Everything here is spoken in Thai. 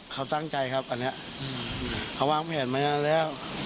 เขาตั้งใจครับอันนี้เขาวางแผนมานานแล้ว